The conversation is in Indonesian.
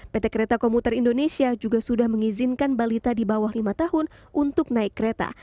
pt kereta komuter indonesia juga sudah mengizinkan balita di bawah lima tahun untuk naik kereta